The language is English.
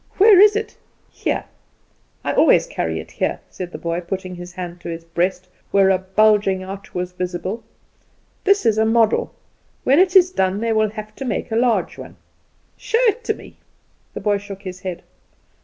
"Where is it?" "Here! I always carry it here," said the boy, putting his hand to his breast, where a bulging out was visible. "This is a model. When it is done they will have to make a large one." "Show it me." The boy shook his head.